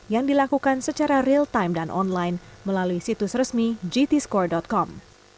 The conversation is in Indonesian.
yang dilakukan secara real time dan online melalui situs resmi gtscore com